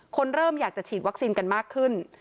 คนเริ่มอยากจะฉีดวัคซีนกันมากขึ้น